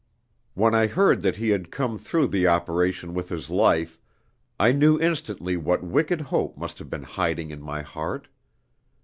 "When I heard that he had come through the operation with his life, I knew instantly what wicked hope must have been hiding in my heart.